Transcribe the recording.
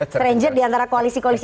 stranger diantara koalisi koalisi